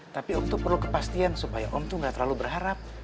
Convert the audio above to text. tapi om itu perlu kepastian supaya om tuh gak terlalu berharap